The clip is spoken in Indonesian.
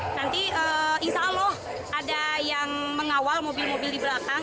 nanti insya allah ada yang mengawal mobil mobil di belakang